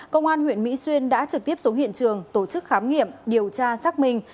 công an huyện mỹ xuyên đã trực tiếp xuống hiện trường tổ chức khám nghiệm điều tra xác minh